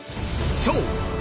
そう！